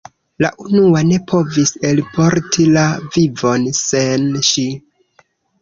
La unua ne povis elporti la vivon sen ŝi.